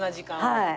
はい。